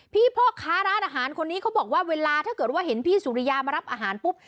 พ่อค้าร้านอาหารคนนี้เขาบอกว่าเวลาถ้าเกิดว่าเห็นพี่สุริยามารับอาหารปุ๊บ